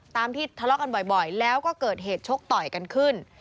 ตามที่ทะเลาะกันบ่อยแล้วก็เกิดเหตุชกต่อยกันขึ้น